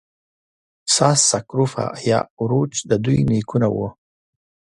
ساس سکروفا یا اوروچ د دوی نیکونه وو.